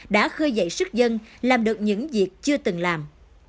đã khơi dậy sức dân làm được những việc chưa từng làm